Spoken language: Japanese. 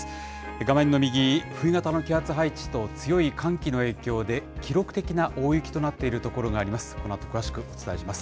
画面の右、冬型の気圧配置と強い寒気の影響で、記録的な大雪となっている所があります。